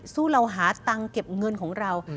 เราหาตังค์เก็บเงินของเรา